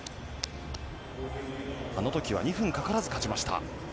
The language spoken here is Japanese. あの時は２分かからず勝ちました。